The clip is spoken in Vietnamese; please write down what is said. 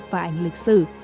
và ảnh lịch sử